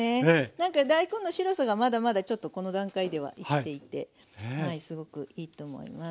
何か大根の白さがまだまだちょっとこの段階では生きていてすごくいいと思います。